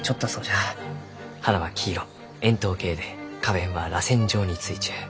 花は黄色円筒形で花弁はらせん状についちゅう。